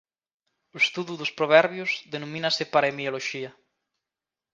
O estudo dos proverbios denomínase "paremioloxía".